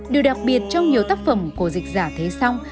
điều đặc biệt trong nhiều tác phẩm của dịch giả thế song